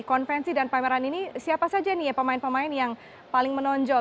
konvensi dan pameran ini siapa saja nih ya pemain pemain yang paling menonjol